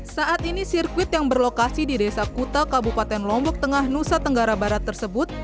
saat ini sirkuit yang berlokasi di desa kuta kabupaten lombok tengah nusa tenggara barat tersebut